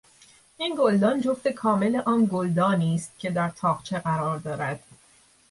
این گلدان جفت کامل آن گلدانی است که در تاقچه قرار دارد.